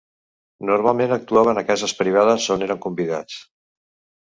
Normalment actuaven a cases privades on eren convidats.